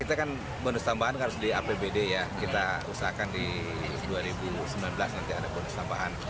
kita kan bonus tambahan harus di apbd ya kita usahakan di dua ribu sembilan belas nanti ada bonus tambahan